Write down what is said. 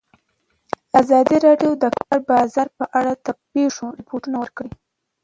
ازادي راډیو د د کار بازار په اړه د پېښو رپوټونه ورکړي.